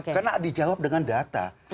karena dijawab dengan data